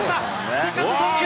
セカンド送球。